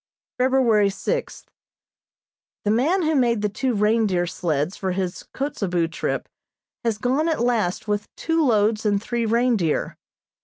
February sixth: The man who made the two reindeer sleds for his Kotzebue trip has gone at last with two loads and three reindeer.